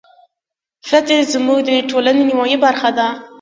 ښځې زموږ د ټولنې نيمايي برخه ده.